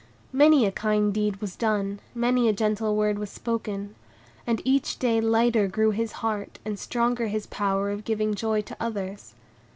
Many a kind deed was done, many a gentle word was spoken; and each day lighter grew his heart, and stronger his power of giving joy to others.